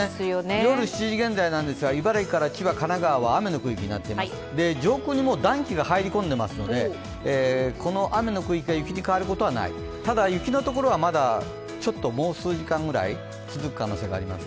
夜７時現在なんですが茨城から千葉は上空に暖気が入り込んでいますので、この雨の区域が雪に変わることはない、ただ、雪のところはまだもう数時間ぐらいふぶく可能性があります。